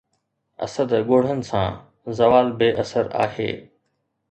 اسد ڳوڙهن سان! زوال بي اثر آهي